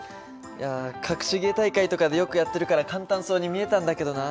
いや隠し芸大会とかでよくやってるから簡単そうに見えたんだけどな。